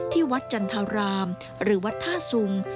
ที่วัดจันทรารามหรือวัดท่าสุง